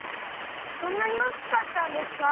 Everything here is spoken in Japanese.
そんなに大きかったんですか？